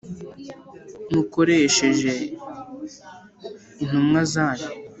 mukoresheje intumwa zanyu.